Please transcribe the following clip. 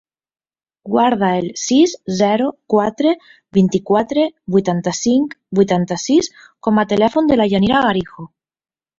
Guarda el sis, zero, quatre, vint-i-quatre, vuitanta-cinc, vuitanta-sis com a telèfon de la Yanira Garijo.